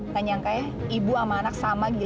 tanya angkanya ibu sama anak sama gitu